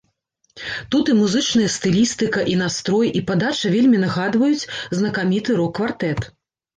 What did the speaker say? Тут і музычная стылістыка, і настрой, і падача вельмі нагадваюць знакаміты рок-квартэт.